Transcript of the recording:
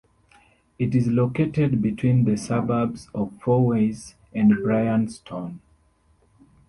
It is located between the suburbs of Fourways and Bryanston.